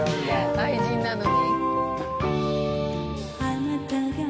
『愛人』なのに？